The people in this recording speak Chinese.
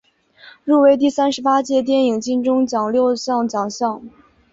入围第三十八届电视金钟奖六项奖项。